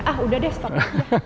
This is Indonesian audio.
ah udah deh stop